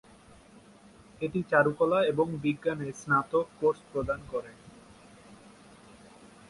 এটি চারুকলা এবং বিজ্ঞানে স্নাতক কোর্স প্রদান করে।